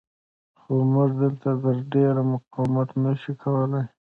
خو موږ دلته تر ډېره مقاومت نه شو کولی.